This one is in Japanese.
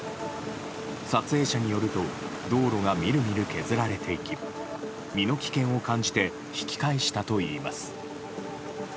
撮影者によると道路が見る見る削られていき身の危険を感じて引き返したといいます。